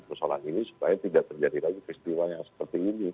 persoalan ini supaya tidak terjadi lagi peristiwa yang seperti ini